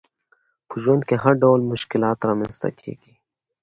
په ژوند کي هرډول مشکلات رامنځته کیږي